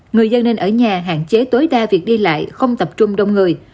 người dân nên ở nhà hạn chế tối đa việc đi lại không tập trung đông người